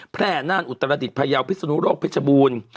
แพร่น่านอุตรดิษฐ์พยาวพิสนุโรคเผชบูรณ์